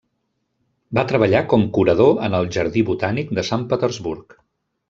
Va treballar com curador en el Jardí botànic de Sant Petersburg.